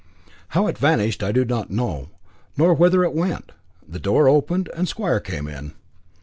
How it vanished I do not know, nor whither it went. The door opened, and Square came in.